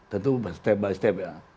tentu step by step ya